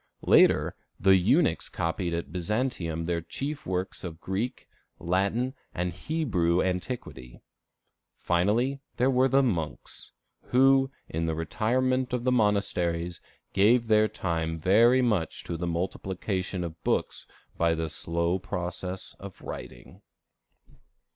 Later, the eunuchs copied at Byzantium the chief works of Greek, Latin, and Hebrew antiquity. Finally, there were the monks, who, in the retirement of the monasteries, gave their time very much to the multiplication of books by the slow process of writing.